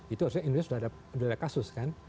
itu harusnya indonesia sudah ada dua kasus kan